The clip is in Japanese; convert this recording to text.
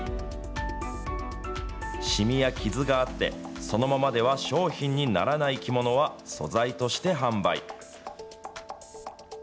染みや傷があって、そのままでは商品にならない着物は素材として販売。